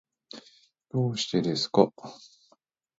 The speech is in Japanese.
どうしてですか？